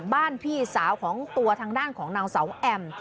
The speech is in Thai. พี่สาวของตัวทางด้านของนางเสาแอม